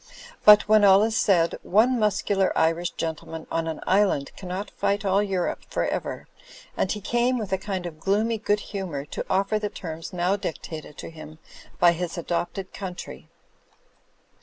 But, when all is said, one muscular Irish gentleman on an island cannot fight all Europe for ever, and he came, with a kind of gloomy good hu mour, to offer the terms now dictated to him by his adopted country.